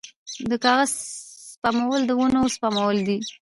د کاغذ سپمول د ونو سپمول دي